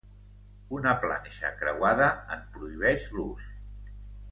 Una planxa creuada en prohibeix l'ús.